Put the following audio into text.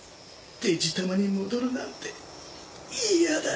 デジタマに戻るなんて嫌だ。